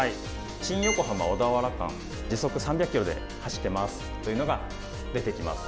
新横浜小田原間時速３００キロで走っていますというのが出てきます。